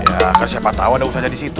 ya kan siapa tau ada ustadz disitu